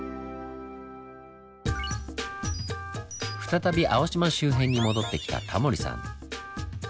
再び青島周辺に戻ってきたタモリさん。